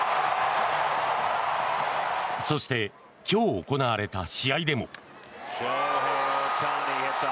そして今日行われた試合でも。